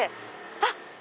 あっ！